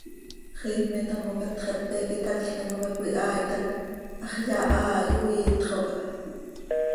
Xiime tamocat xepe quih itacl timoca cöihaait hac hax yahai oo, iitxo cah.